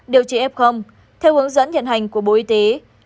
điều trị f theo hướng dẫn hiện hành của bộ y tế